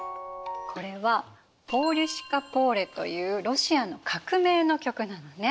これは「ポーリュシカ・ポーレ」というロシアの革命の曲なのね。